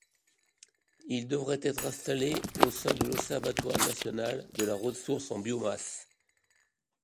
Il devrait être installé au sein de l'Observatoire national de la ressource en biomasse.